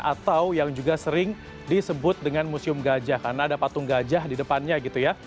atau yang juga sering disebut dengan museum gajah karena ada patung gajah di depannya gitu ya